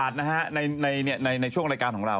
กดเลยนะครับ